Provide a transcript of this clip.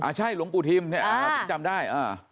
ใช่หลวงปู่ทิมจำได้